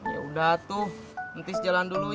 yaudah tuh nanti jalan dulu ya